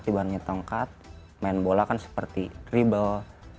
dibanding tongkat main bola kan seperti ribble